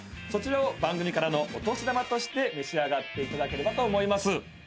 そちらを番組からのお年玉として召し上がっていただければと。